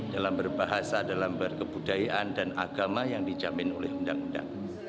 dalam berbahasa dalam berkebudayaan dan agama yang dijamin oleh undang undang